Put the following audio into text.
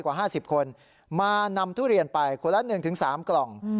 กว่า๕๐คนมานำทุเรียนไปคนละ๑๓กล่อง